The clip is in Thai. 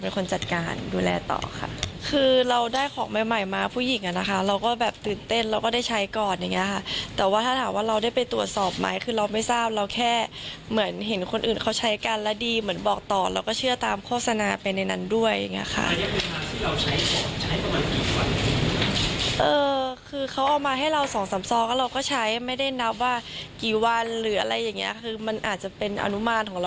จัดการดูแลต่อค่ะคือเราได้ของใหม่ใหม่มาผู้หญิงอ่ะนะคะเราก็แบบตื่นเต้นเราก็ได้ใช้ก่อนอย่างเงี้ค่ะแต่ว่าถ้าถามว่าเราได้ไปตรวจสอบไหมคือเราไม่ทราบเราแค่เหมือนเห็นคนอื่นเขาใช้กันและดีเหมือนบอกต่อเราก็เชื่อตามโฆษณาไปในนั้นด้วยอย่างเงี้ยค่ะเราใช้ด้วยเออคือเขาเอามาให้เราสองสามซองแล้วเราก็ใช้ไม่ได้นับว่ากี่วันหรืออะไรอย่างเงี้ยคือมันอาจจะเป็นอนุมานของเรา